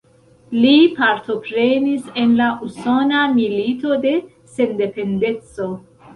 Li partoprenis en la Usona Milito de Sendependeco.